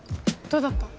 どうだった？